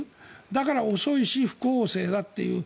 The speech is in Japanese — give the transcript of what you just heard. だから、遅いし不公正だという。